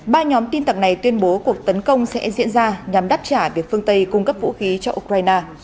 ba nhóm tin tặc này tuyên bố cuộc tấn công sẽ diễn ra nhằm đáp trả việc phương tây cung cấp vũ khí cho ukraine